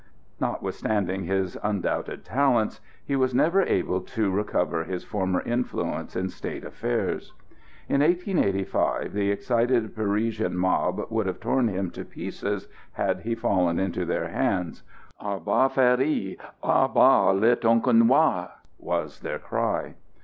Notwithstanding his undoubted talents he was never able to recover his former influence in State affairs. In 1885 the excited Parisian mob would have torn him to pieces had he fallen into their hands. "À bas Ferry!" "À bas le Tonkinois!" was their cry.